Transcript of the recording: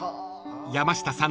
［山下さん